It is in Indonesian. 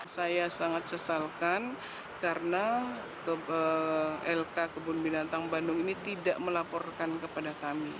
saya sangat sesalkan karena lk kebun binatang bandung ini tidak melaporkan kepada kami